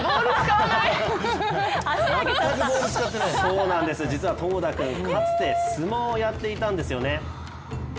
そうなんです、実は友田君かつて相撲をやっていたんですよね。